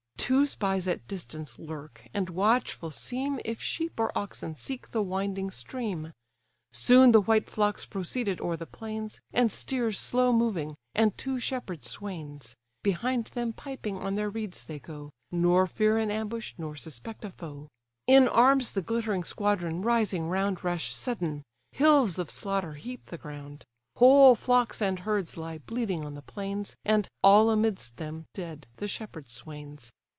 Two spies at distance lurk, and watchful seem If sheep or oxen seek the winding stream. Soon the white flocks proceeded o'er the plains, And steers slow moving, and two shepherd swains; Behind them piping on their reeds they go, Nor fear an ambush, nor suspect a foe. In arms the glittering squadron rising round Rush sudden; hills of slaughter heap the ground; Whole flocks and herds lie bleeding on the plains, And, all amidst them, dead, the shepherd swains!